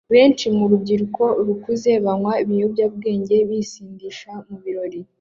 Benshi mu rubyiruko rukuze banywa ibinyobwa bisindisha mubirori